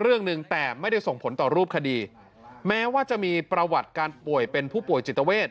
เรื่องหนึ่งแต่ไม่ได้ส่งผลต่อรูปคดีแม้ว่าจะมีประวัติการป่วยเป็นผู้ป่วยจิตเวท